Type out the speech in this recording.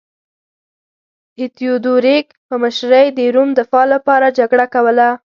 د تیودوریک په مشرۍ د روم دفاع لپاره جګړه کوله